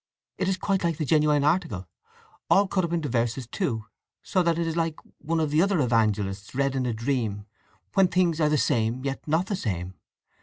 "It is quite like the genuine article. All cut up into verses, too; so that it is like one of the other evangelists read in a dream, when things are the same, yet not the same.